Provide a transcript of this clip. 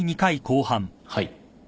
はい。